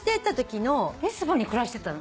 リスボンに暮らしてたの？